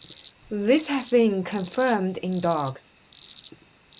This has been confirmed in dogs.